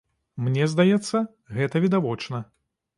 Мне здаецца, гэта відавочна.